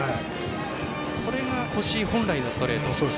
これが越井本来のストレート。